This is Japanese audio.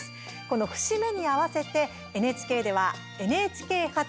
この節目に合わせてＮＨＫでは「ＮＨＫ発！